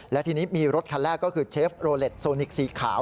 และทีนี้มีรถคันแรกก็คือเชฟโรเล็ตโซนิกสีขาว